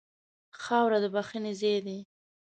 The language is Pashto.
خاوره د بښنې ځای ده.